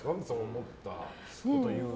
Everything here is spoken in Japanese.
思ったこと言うのは。